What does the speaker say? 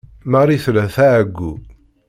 Marie tella tɛeyyu.